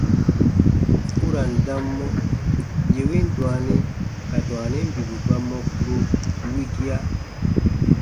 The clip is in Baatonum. U ra n dam mɔ : yè win dwaani ka dwaanin bibu ba mɔ kpuro wigia.